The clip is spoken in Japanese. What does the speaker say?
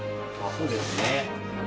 そうですね。